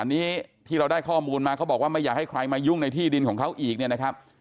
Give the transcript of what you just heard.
อันนี้ที่เราได้ข้อมูลมาเขาบอกว่าไม่อยากให้ใครมายุ่งในที่ดินของเขาอีกเนี่ยนะครับ